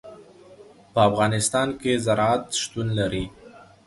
په افغانستان کې زراعت شتون لري.